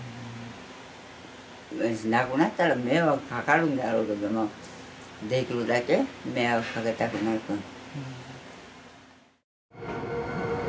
亡くなったら迷惑かかるんだろうけどもできるだけ迷惑かけたくないけん。